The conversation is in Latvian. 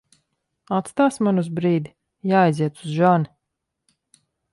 Aizstāsi mani uz brīdi? Jāaiziet uz žani.